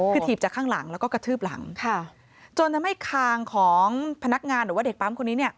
คือถีบจากข้างหลังแล้วก็กระทืบหลังค่ะจนทำให้คางของพนักงานหรือว่าเด็กปั๊มคนนี้เนี่ย